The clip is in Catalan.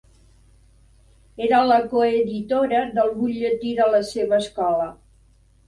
Era la coeditora del butlletí de la seva escola.